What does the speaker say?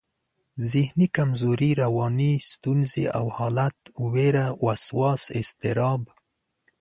ذهني کمزوري، رواني ستونزې او حالت، وېره، وسواس، اضطراب